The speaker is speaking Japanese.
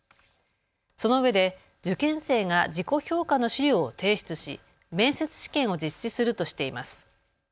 そのうえで受験生が自己評価の資料を提出し面接試験を実施するとしています。